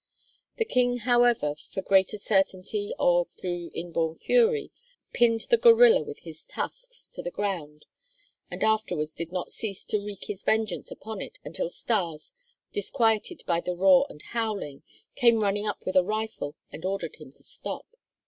The King, however, for greater certainty or through inborn fury, pinned the gorilla with his tusks to the ground and afterwards did not cease to wreak his vengeance upon it until Stas, disquieted by the roar and howling, came running up with a rifle and ordered him to stop.